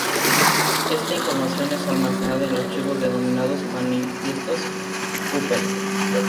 Esta información es almacenada en archivos denominados manifiestos Puppet.